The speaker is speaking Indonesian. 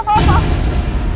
aku mau cedain kamu